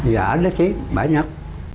ya ada sih banyak